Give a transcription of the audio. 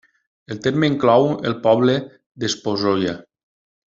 El terme inclou el poble d'Esposolla.